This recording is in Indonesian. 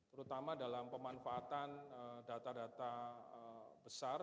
terutama dalam pemanfaatan data data besar